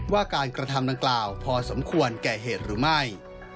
ว่าการกระทำดังกล่าวพอสมควรแก่เหตุหรือไม่